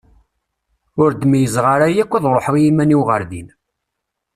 Ur d-meyyzeɣ ara yakk ad ruḥeɣ i iman-iw ɣer din.